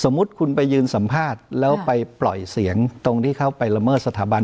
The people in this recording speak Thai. มุติคุณไปยืนสัมภาษณ์แล้วไปปล่อยเสียงตรงที่เข้าไปละเมิดสถาบัน